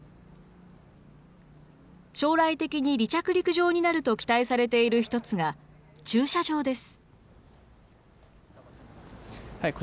将来的に離着陸場になると期待されている１つが、駐車場です。